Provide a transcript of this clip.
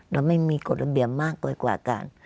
แล้วไม่มีกฎระเบียบมากกว่ากัน